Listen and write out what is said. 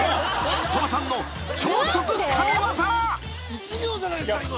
１秒じゃないっすか今。